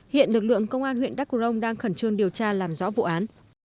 hiện lực lượng công an huyện đắk crong đang khẩn trương điều tra làm rõ vụ án